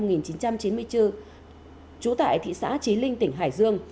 nguyễn thị phương lan sinh năm một nghìn chín trăm chín mươi bốn trú tại thị xã trí linh tỉnh hải dương